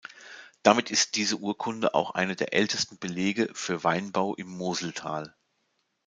Damit ist diese Urkunde auch einer der ältesten Belege für Weinbau im Moseltal.